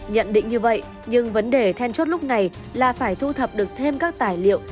nhận định như vậy nhưng vấn đề then chốt lúc này là phải thu thập được thêm các tài liệu